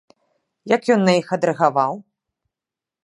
Як ён на іх адрэагаваў?